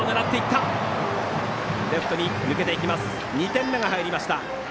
２点目が入りました。